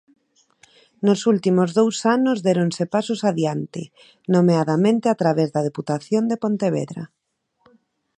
Nos últimos dous anos déronse pasos adiante, nomeadamente a través da Deputación de Pontevedra.